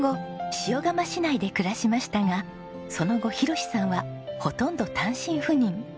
塩竈市内で暮らしましたがその後博さんはほとんど単身赴任。